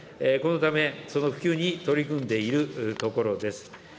このため、その普及に取り組んでいるところです。